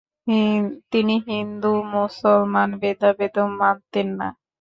তিনি হিন্দু-মুসলমান ভেদাভেদও মানতেন না।